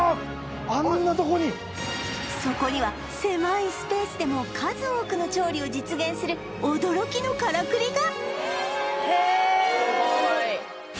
あんなとこにそこには狭いスペースでも数多くの調理を実現する驚きのカラクリが！